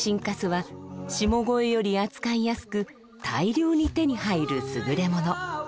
粕は下肥より扱いやすく大量に手に入るすぐれもの。